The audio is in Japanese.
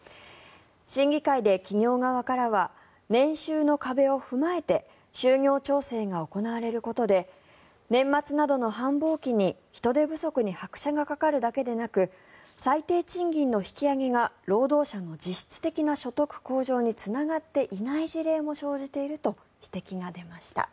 審議会で企業側からは年収の壁を踏まえて就業調整が行われることで年末などの繁忙期に人手不足に拍車がかかるだけでなく最低賃金の引き上げが労働者の実質的な所得向上につながっていない事例も生じていると指摘が出ました。